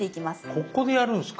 ここでやるんすか。